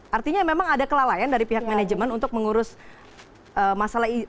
artinya memang ada kelalaian dari pihak manajemen untuk mengurus masalah ini